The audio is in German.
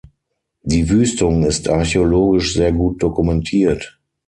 Die Wüstung ist archäologisch sehr gut dokumentiert.